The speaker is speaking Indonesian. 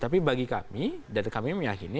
tapi bagi kami